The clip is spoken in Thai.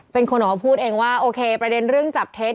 เป็นคนออกมาพูดเองว่าโอเคประเด็นเรื่องจับเท็จ